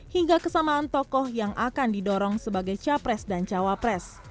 hingga kesamaan tokoh yang akan didorong sebagai capres dan cawapres